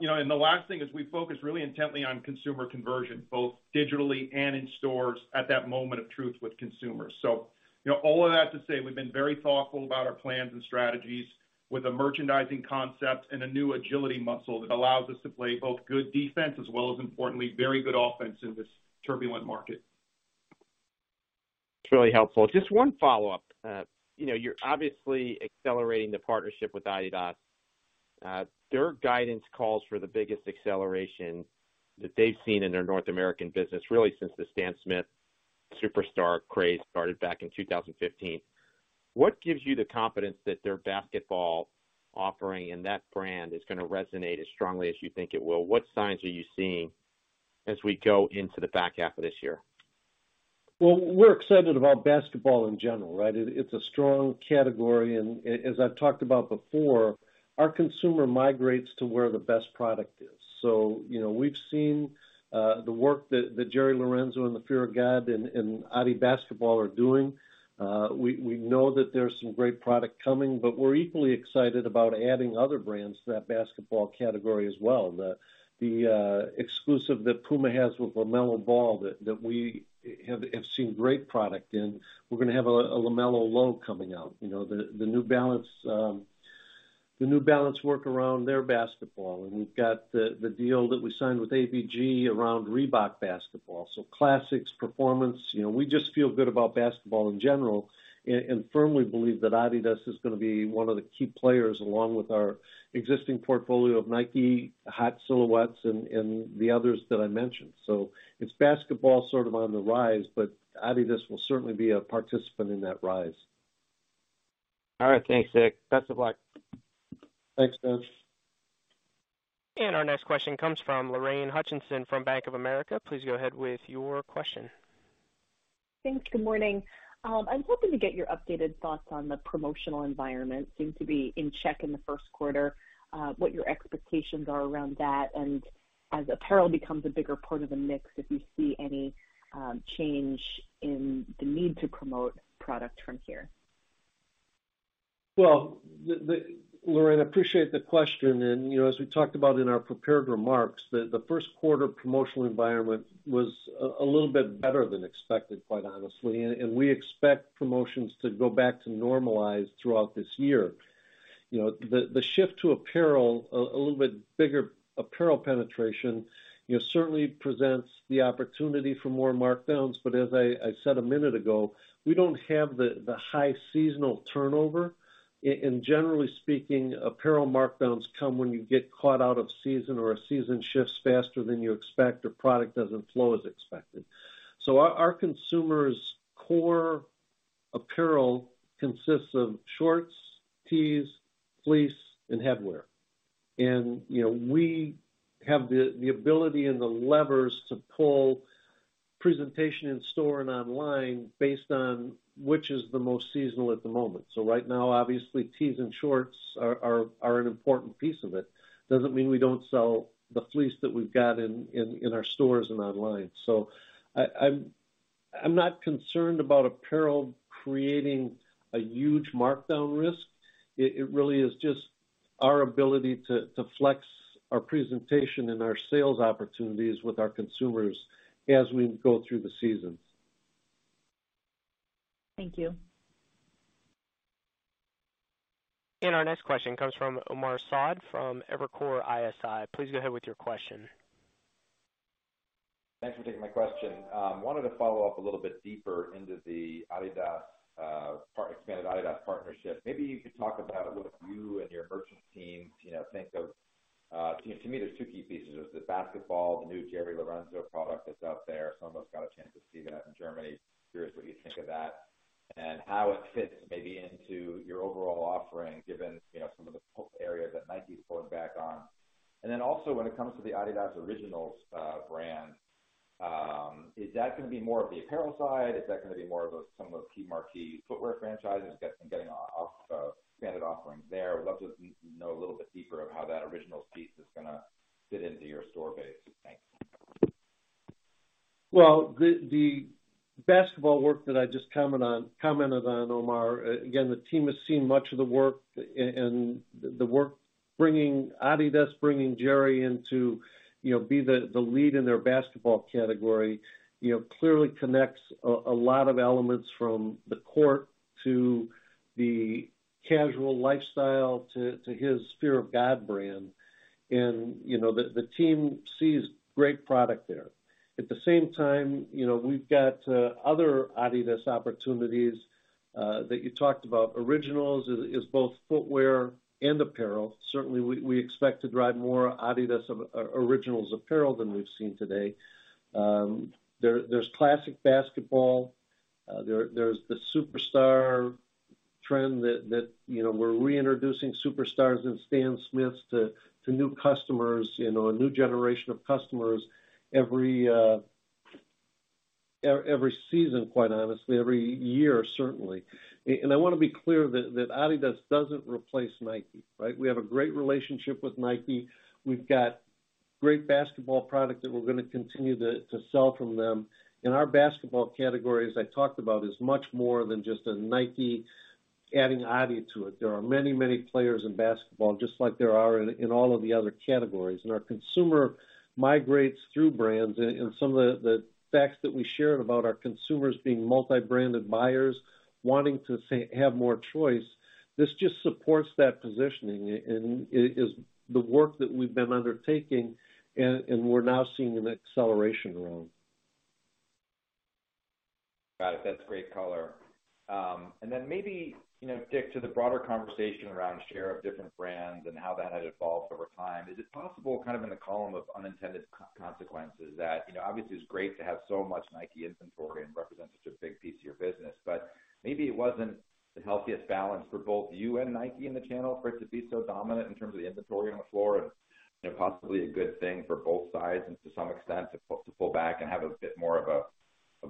You know, and the last thing is we focus really intently on consumer conversion, both digitally and in stores at that moment of truth with consumers. You know, all of that to say we've been very thoughtful about our plans and strategies with the merchandising concepts and a new agility muscle that allows us to play both good defense as well as importantly, very good offense in this turbulent market. It's really helpful. Just one follow-up. You know, you're obviously accelerating the partnership with Adidas. Their guidance calls for the biggest acceleration that they've seen in their North American business, really since the Stan Smith Superstar craze started back in 2015. What gives you the confidence that their basketball offering and that brand is gonna resonate as strongly as you think it will? What signs are you seeing as we go into the back half of this year? We're excited about basketball in general, right? It's a strong category, and as I've talked about before, our consumer migrates to where the best product is. You know, we've seen the work that Jerry Lorenzo and the Fear of God and Adidas Basketball are doing. We know that there's some great product coming, but we're equally excited about adding other brands to that basketball category as well. The exclusive that Puma has with LaMelo Ball that we have seen great product in, we're gonna have a LaMelo Low coming out. You know, the New Balance work around their basketball, and we've got the deal that we signed with ABG around Reebok basketball. Classics, performance, you know, we just feel good about basketball in general and firmly believe that Adidas is gonna be one of the key players along with our existing portfolio of Nike, hot silhouettes, and the others that I mentioned. It's basketball sort of on the rise, but Adidas will certainly be a participant in that rise. All right. Thanks, Dick. Best of luck. Thanks, John. Our next question comes from Lorraine Hutchinson from Bank of America. Please go ahead with your question. Thanks. Good morning. I was hoping to get your updated thoughts on the promotional environment. Seemed to be in check in the first quarter. What your expectations are around that and as apparel becomes a bigger part of the mix, if you see any change in the need to promote product from here. Well, Lorraine, I appreciate the question, and you know, as we talked about in our prepared remarks, the first quarter promotional environment was a little bit better than expected, quite honestly, and we expect promotions to go back to normalized throughout this year. You know, the shift to apparel, a little bit bigger apparel penetration, you know, certainly presents the opportunity for more markdowns, but as I said a minute ago, we don't have the high seasonal turnover in. Generally speaking, apparel markdowns come when you get caught out of season or a season shifts faster than you expect or product doesn't flow as expected. Our consumer's core apparel consists of shorts, tees, fleece, and headwear. You know, we have the ability and the levers to pull presentation in store and online based on which is the most seasonal at the moment. Right now, obviously, tees and shorts are an important piece of it. Doesn't mean we don't sell the fleece that we've got in our stores and online. I'm not concerned about apparel creating a huge markdown risk. It really is just our ability to flex our presentation and our sales opportunities with our consumers as we go through the seasons. Thank you. Our next question comes from Omar Saad from Evercore ISI. Please go ahead with your question. Thanks for taking my question. Wanted to follow up a little bit deeper into the expanded Adidas partnership. Maybe you could talk about what you and your merchant team, you know, think of, to me, there's two key pieces. There's the basketball, the new Jerry Lorenzo product that's out there. Some of us got a chance to see that in Germany. Curious what you think of that and how it fits maybe into your overall offering, given, you know, some of the areas that Nike is pulling back on. Then also when it comes to the adidas Originals brand. Is that gonna be more of the apparel side? Is that gonna be more of a some of those key marquee footwear franchises getting off standard offerings there? I'd love to know a little bit deeper of how that Originals piece is gonna fit into your store base. Thanks. the basketball work that I just commented on, Omar, again, the team has seen much of the work and the work bringing Adidas, bringing Jerry in to be the lead in their basketball category, clearly connects a lot of elements from the court to the casual lifestyle to his Fear of God brand. The team sees great product there. At the same time, we've got other Adidas opportunities that you talked about. adidas Originals is both footwear and apparel. Certainly, we expect to drive more adidas Originals apparel than we've seen today. There's classic basketball. There's the Superstar trend that, you know, we're reintroducing Superstars and Stan Smiths to new customers, you know, a new generation of customers every season, quite honestly, every year, certainly. I wanna be clear that Adidas doesn't replace Nike, right? We have a great relationship with Nike. We've got great basketball product that we're gonna continue to sell from them. In our basketball category, as I talked about, is much more than just a Nike adding Adidas to it. There are many players in basketball, just like there are in all of the other categories. Our consumer migrates through brands. Some of the facts that we shared about our consumers being multi-branded buyers wanting to say. have more choice, this just supports that positioning and is the work that we've been undertaking, and we're now seeing an acceleration around. Got it. That's great color. Maybe, you know, Dick, to the broader conversation around share of different brands and how that has evolved over time. Is it possible, kind of in the column of unintended consequences that, you know, obviously it's great to have so much Nike inventory and represent such a big piece of your business. Maybe it wasn't the healthiest balance for both you and Nike in the channel for it to be so dominant in terms of the inventory on the floor. You know, possibly a good thing for both sides and to some extent to pull back and have a bit more of a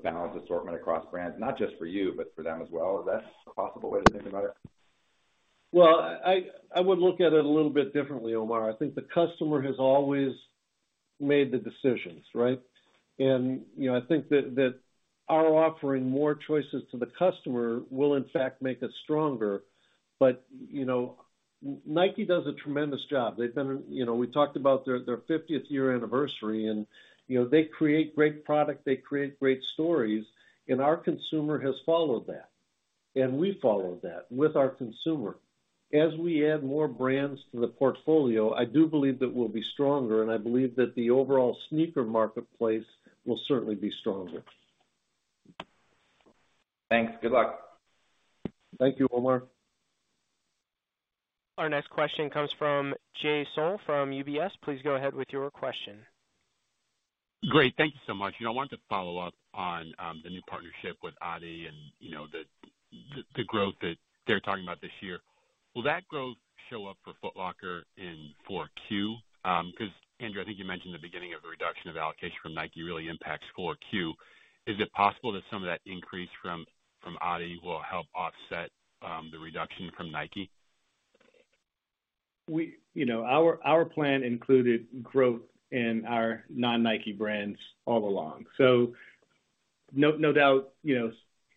balanced assortment across brands, not just for you, but for them as well. Is that a possible way to think about it? Well, I would look at it a little bit differently, Omar. I think the customer has always made the decisions, right? You know, I think that our offering more choices to the customer will in fact make us stronger. You know, Nike does a tremendous job. You know, we talked about their fiftieth-year anniversary and, you know, they create great product. They create great stories, and our consumer has followed that, and we followed that with our consumer. As we add more brands to the portfolio, I do believe that we'll be stronger, and I believe that the overall sneaker marketplace will certainly be stronger. Thanks. Good luck. Thank you, Omar. Our next question comes from Jay Sole from UBS. Please go ahead with your question. Great. Thank you so much. You know, I wanted to follow up on the new partnership with Adidas and, you know, the growth that they're talking about this year. Will that growth show up for Foot Locker in 4Q? Because, Andrew, I think you mentioned the beginning of a reduction of allocation from Nike really impacts 4Q. Is it possible that some of that increase from Adidas will help offset the reduction from Nike? You know, our plan included growth in our non-Nike brands all along. No doubt, you know,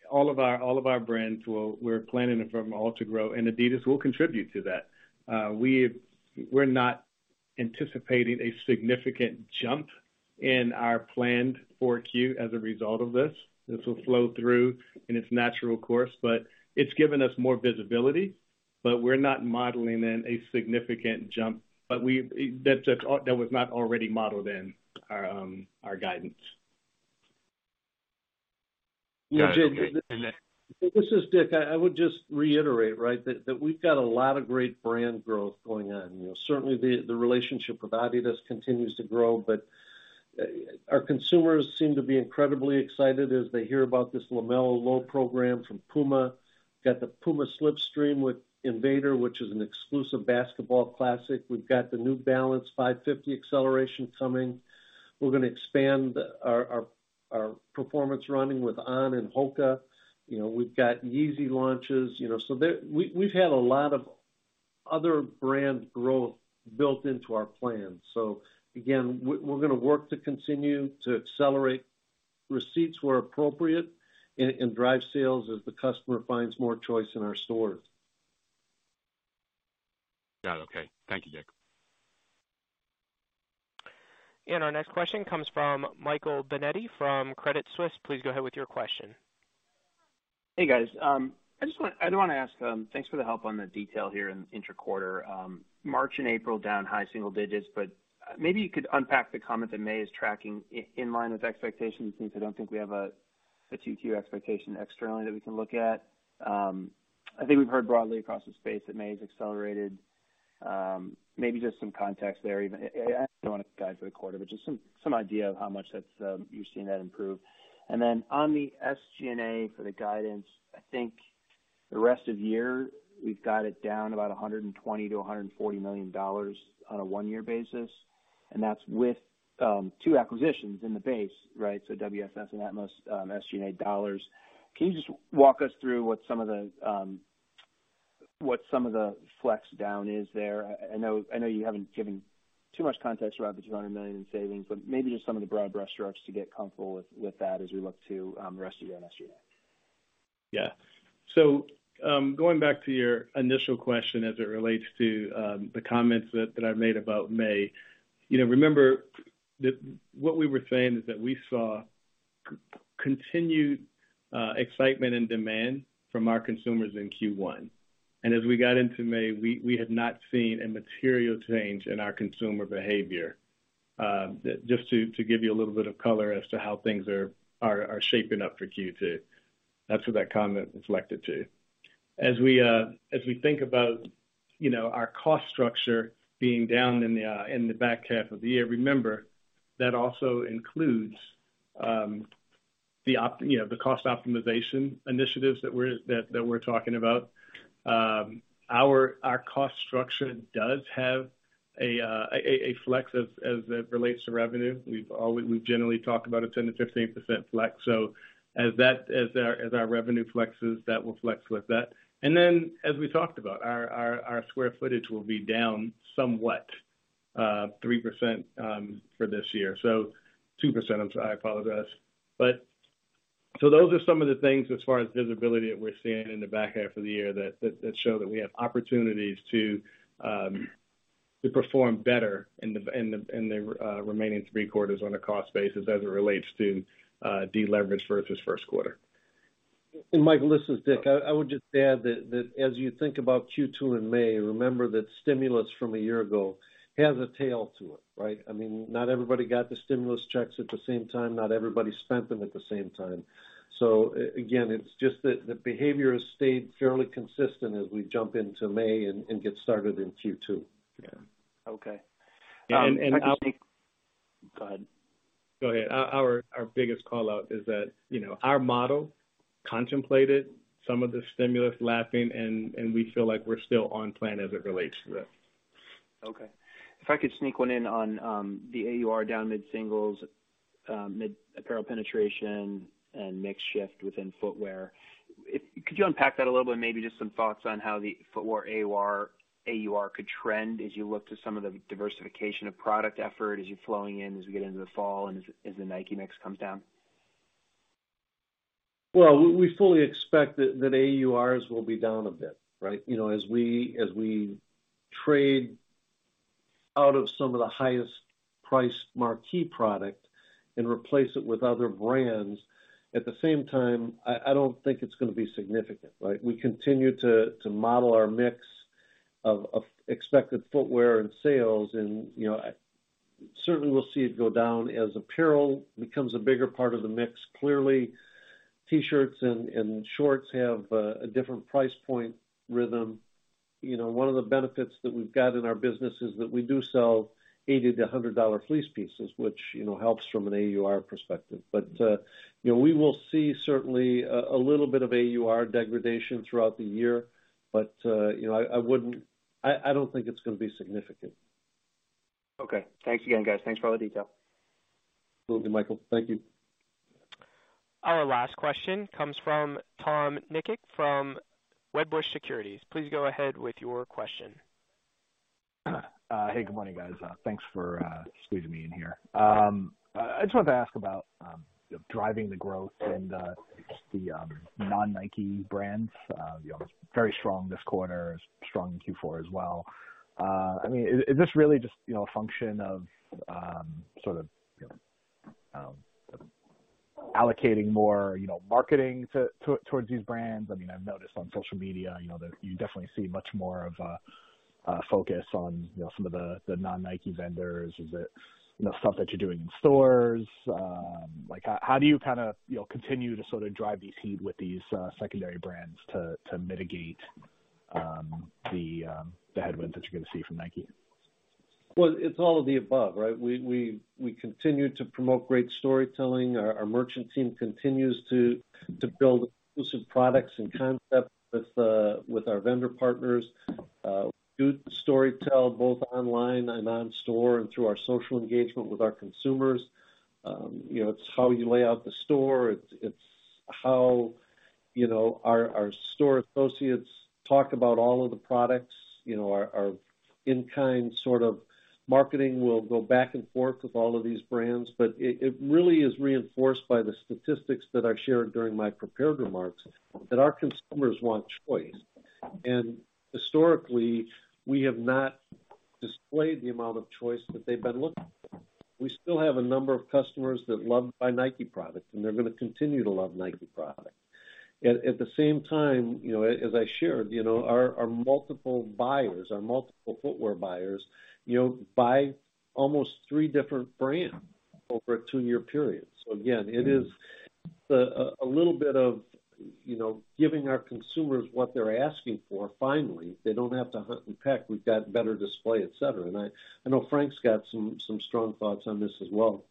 all of our brands will. We're planning for them all to grow, and Adidas will contribute to that. We're not anticipating a significant jump in our planned 4Q as a result of this. This will flow through in its natural course, but it's given us more visibility. We're not modeling in a significant jump. That was not already modeled in our guidance. This is Dick. I would just reiterate, right, that we've got a lot of great brand growth going on. You know, certainly the relationship with Adidas continues to grow, but our consumers seem to be incredibly excited as they hear about this LaMelo Low program from Puma. Got the Puma Slipstream with Invader, which is an exclusive basketball classic. We've got the New Balance 550 Acceleration coming. We're gonna expand our performance running with On and HOKA. You know, we've got Yeezy launches. You know, so there. We've had a lot of other brand growth built into our plan. Again, we're gonna work to continue to accelerate receipts where appropriate and drive sales as the customer finds more choice in our stores. Got it. Okay. Thank you, Dick. Our next question comes from Michael Binetti from Credit Suisse. Please go ahead with your question. Hey, guys. I do want to ask, thanks for the help on the detail here in intraquarter. March and April down high single digits, but maybe you could unpack the comment that May is tracking in line with expectations since I don't think we have a 2Q expectation externally that we can look at. I think we've heard broadly across the space that May has accelerated. Maybe just some context there. I don't want to guide for the quarter, but just some idea of how much that's you've seen that improve. Then on the SG&A for the guidance, I think. The rest of the year, we've got it down about $120 million-$140 million on a one-year basis, and that's with two acquisitions in the base, right? WSS and Atmos, SG&A dollars. Can you just walk us through what some of the flex down is there? I know you haven't given too much context around the $200 million in savings, but maybe just some of the broad brushstrokes to get comfortable with that as we look to the rest of the year on SG&A. Going back to your initial question as it relates to the comments that I made about May. Remember that what we were saying is that we saw continued excitement and demand from our consumers in Q1. As we got into May, we had not seen a material change in our consumer behavior. Just to give you a little bit of color as to how things are shaping up for Q2. That's what that comment reflected to. As we think about our cost structure being down in the back half of the year, remember that also includes the cost optimization initiatives that we're talking about. Our cost structure does have a flex as it relates to revenue. We've generally talked about a 10%-15% flex. As that, as our revenue flexes, that will flex with that. Then as we talked about our square footage will be down somewhat, 3%, for this year, 2%. I'm sorry. I apologize. Those are some of the things as far as visibility that we're seeing in the back half of the year that show that we have opportunities to perform better in the remaining three quarters on a cost basis as it relates to deleverage versus first quarter. Michael, this is Dick. I would just add that as you think about Q2 in May, remember that stimulus from a year ago has a tail to it, right? I mean, not everybody got the stimulus checks at the same time, not everybody spent them at the same time. So again, it's just that the behavior has stayed fairly consistent as we jump into May and get started in Q2. Yeah. Okay. And, and I'll- Go ahead. Go ahead. Our biggest call-out is that, you know, our model contemplated some of the stimulus lapping and we feel like we're still on plan as it relates to that. Okay. If I could sneak one in on the AUR down mid-singles, mid apparel penetration and mix shift within footwear. Could you unpack that a little bit? Maybe just some thoughts on how the footwear AUR could trend as you look to some of the diversification of product effort as you're flowing in, as we get into the fall and as the Nike mix comes down. Well, we fully expect that AURs will be down a bit, right? You know, as we trade out of some of the highest price marquee product and replace it with other brands. At the same time, I don't think it's gonna be significant, right? We continue to model our mix of expected footwear and sales and, you know, certainly we'll see it go down as apparel becomes a bigger part of the mix. Clearly, T-shirts and shorts have a different price point rhythm. You know, one of the benefits that we've got in our business is that we do sell $80-$100 fleece pieces, which, you know, helps from an AUR perspective. You know, we will see certainly a little bit of AUR degradation throughout the year. You know, I wouldn't... I don't think it's gonna be significant. Okay. Thanks again, guys. Thanks for all the detail. Absolutely, Michael. Thank you. Our last question comes from Tom Nikic from Wedbush Securities. Please go ahead with your question. Hey, good morning, guys. Thanks for squeezing me in here. I just wanted to ask about driving the growth in the non-Nike brands, you know, very strong this quarter, strong in Q4 as well. I mean, is this really just, you know, a function of sort of, you know, allocating more, you know, marketing towards these brands? I mean, I've noticed on social media, you know, that you definitely see much more of a focus on, you know, some of the non-Nike vendors. Is it, you know, stuff that you're doing in stores? Like how do you kinda, you know, continue to sort of drive these sales with these secondary brands to mitigate the headwinds that you're gonna see from Nike? Well, it's all of the above, right? We continue to promote great storytelling. Our merchant team continues to build exclusive products and concepts with our vendor partners. We do storytell both online and in store and through our social engagement with our consumers. You know, it's how you lay out the store. It's how, you know, our store associates talk about all of the products. You know, our in-kind sort of marketing will go back and forth with all of these brands. But it really is reinforced by the statistics that I shared during my prepared remarks that our consumers want choice. Historically, we have not displayed the amount of choice that they've been looking for. We still have a number of customers that love to buy Nike products, and they're gonna continue to love Nike products. At the same time, you know, as I shared, you know, our multiple buyers, our multiple footwear buyers, you know, buy almost three different brands over a two years period. So again, it is a little bit of, you know, giving our consumers what they're asking for, finally. They don't have to hunt and peck. We've got better display, et cetera. I know Frank's got some strong thoughts on this as well.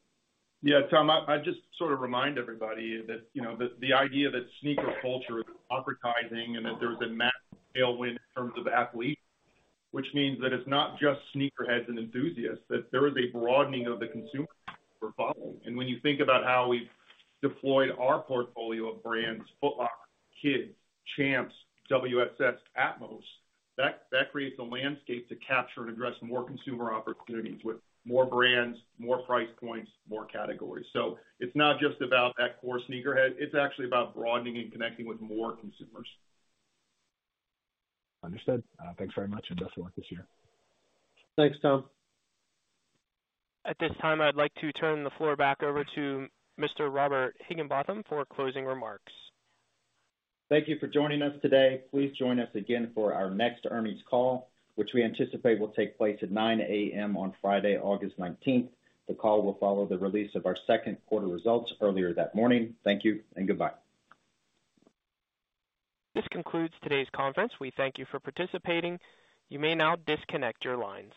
Yeah, Tom, I just sort of remind everybody that, you know, the idea that sneaker culture is advertising and that there's a massive tailwind in terms of athletes, which means that it's not just sneakerheads and enthusiasts, that there is a broadening of the consumer profile. When you think about how we've deployed our portfolio of brands, Foot Locker, Kids, Champs, WSS, Atmos, that creates a landscape to capture and address more consumer opportunities with more brands, more price points, more categories. It's not just about that core sneakerhead. It's actually about broadening and connecting with more consumers. Understood. Thanks very much, and best of luck this year. Thanks, Tom. At this time, I'd like to turn the floor back over to Mr. Robert Higginbotham for closing remarks. Thank you for joining us today. Please join us again for our next earnings call, which we anticipate will take place at 9:00 A.M. on Friday, August nineteenth. The call will follow the release of our second quarter results earlier that morning. Thank you and goodbye. This concludes today's conference. We thank you for participating. You may now disconnect your lines.